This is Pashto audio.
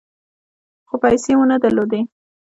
خو پیسې مو نه درلودې .